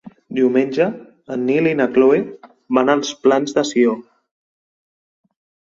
Diumenge en Nil i na Cloè van als Plans de Sió.